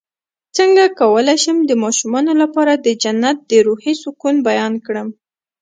څنګه کولی شم د ماشومانو لپاره د جنت د روحي سکون بیان کړم